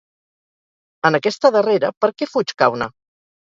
En aquesta darrera, per què fuig Caune?